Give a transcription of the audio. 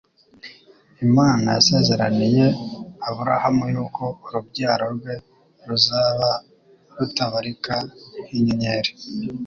Imana yasezeraniye Aburahamu yuko urubyaro rwe ruzaba rutabarika nk'inyenyeri